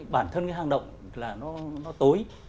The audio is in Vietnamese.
bản thân cái hang động là nó tối